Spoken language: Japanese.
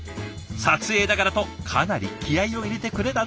撮影だからとかなり気合いを入れてくれたんだとか。